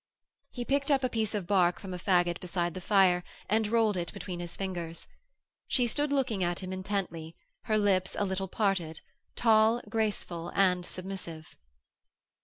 He picked up a piece of bark from a faggot beside the fire and rolled it between his fingers. She stood looking at him intently, her lips a little parted, tall, graceful and submissive.